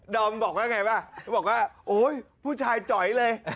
อมบอกว่าไงป่ะเขาบอกว่าโอ๊ยผู้ชายจ๋อยเลย